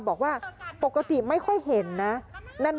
บอกว่าปกติไม่ค่อยเห็นนะ